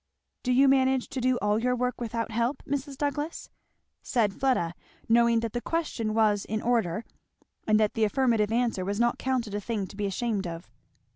"Do you manage to do all your work without help, Mrs. Douglass?" said Fleda, knowing that the question was "in order" and that the affirmative answer was not counted a thing to be ashamed of.